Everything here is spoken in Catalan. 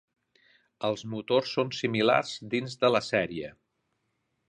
Els motors són similars dins de la sèrie.